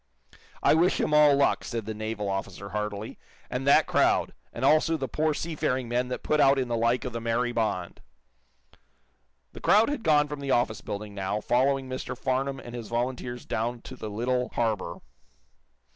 "I wish him all luck," said the naval officer, heartily. "And that crowd, and also the poor seafaring men that put out in the like of the 'Mary Bond.'" The crowd had gone from the office building, now, following Mr. Farnum and his volunteers down to the little harbor.